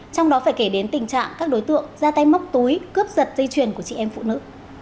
trong đó phải kể đến tình trạng các đối tượng ra tay móc túi cướp giật dây chuyền của chị em phụ nữ